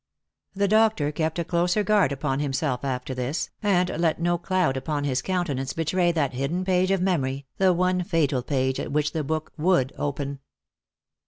The doctor kept a closer guard upon himself after this, and let no cloud upon his countenance betray that hidden page of memory, the one fatal page at which the book would open.